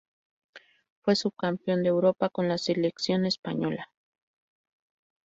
Fue subcampeón de Europa con la selección española.